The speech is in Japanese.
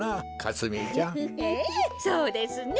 ええそうですね。